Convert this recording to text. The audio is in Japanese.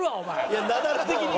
いやナダル的には。